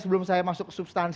sebelum saya masuk ke substansi